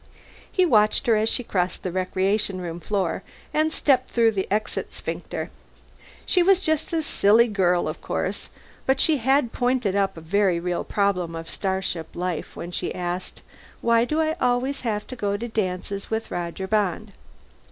He watched her as she crossed the recreation room floor and stepped through the exit sphincter. She was just a silly girl, of course, but she had pointed up a very real problem of starship life when she asked, "_Why do I always have to go to dances with Roger Bond?